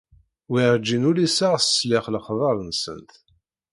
Werǧin uliseɣ sliɣ lexbar-nsent.